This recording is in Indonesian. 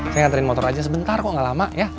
saya hantarin motor aja sebentar kok nggak lama ya